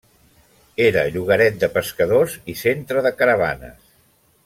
Era llogaret de pescadors i centre de caravanes.